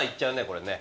これね。